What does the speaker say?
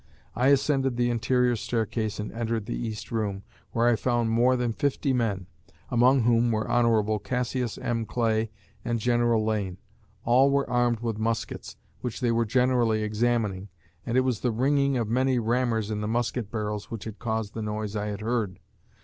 I ascended the interior staircase and entered the East room, where I found more than fifty men, among whom were Hon. Cassius M. Clay and General Lane. All were armed with muskets, which they were generally examining, and it was the ringing of many rammers in the musket barrels which had caused the noise I had heard.